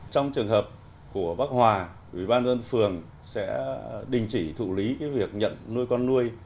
trong trường hợp của bác hòa ủy ban nhân dân phường sẽ đình chỉ thụ lý cái việc nhận nuôi con nuôi